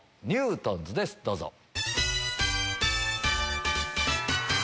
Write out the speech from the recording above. ニュートンズですどうぞ。